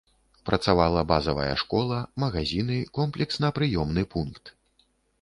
Працавала базавая школа, магазіны, комплексна-прыёмны пункт.